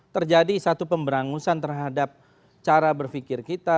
terjadi satu pemberangusan terhadap cara berpikir kita